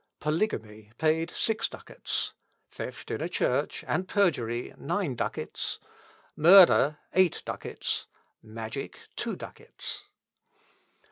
Polygamy paid six ducats; theft in a church, and perjury, nine ducats; murder, eight ducats; magic, two ducats.